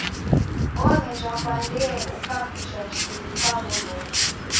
Oghenjwa kwa ndee ukapuchwa chui ukaghoroka.